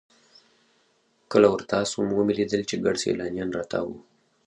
کله ورتاو سوم ومې لېدل چې ګڼ سیلانیان راتاو وو.